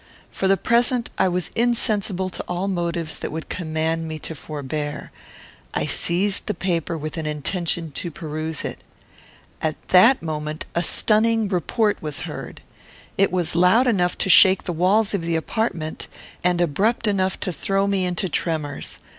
For the present I was insensible to all motives that would command me to forbear. I seized the paper with an intention to peruse it. At that moment a stunning report was heard. It was loud enough to shake the walls of the apartment, and abrupt enough to throw me into tremors.